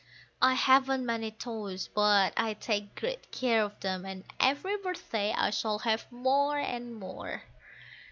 (I haven't many toys, but I take great care of them, and every birthday I shall have more and more.)